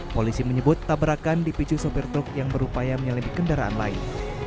polisi menyebut tabrakan di picu sopir truk yang berupaya menyelidik kendaraan lain